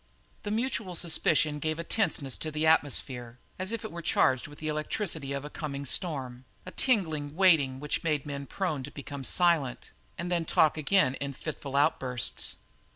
The mutual suspicion gave a tenseness to the atmosphere, as if it were charged with the electricity of a coming storm, a tingling waiting which made the men prone to become silent and then talk again in fitful outbursts.